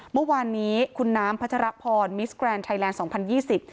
เมื่อวานนี้คุณน้ำพัชรพรมิสแกรนด์ไทยแลนด์๒๐๒๐